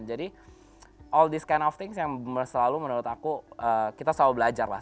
jadi all these kind of things yang selalu menurut aku kita selalu belajar lah